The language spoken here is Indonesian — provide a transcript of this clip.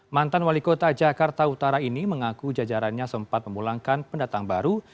mantan wali kota jakarta utara ini mengaku jajarannya sempat memulangkan pendatang baru